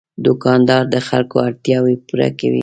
دوکاندار د خلکو اړتیاوې پوره کوي.